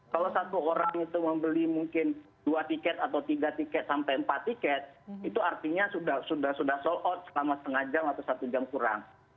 kalau satu orang itu membeli mungkin dua tiket atau tiga tiket sampai empat tiket itu artinya sudah sold out selama setengah jam atau satu jam kurang